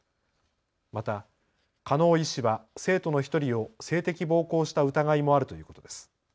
また加納医師は生徒の１人を性的暴行した疑いもあるということです。